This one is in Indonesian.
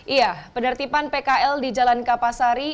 iya penertiban pkl di jalan kapasari